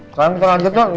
sekarang kita lanjut dong